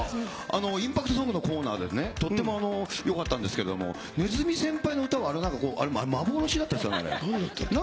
インパクトソングのコーナーでね、とってもよかったんですけど、鼠先輩の歌は、あれ、なんか幻だったんですかね。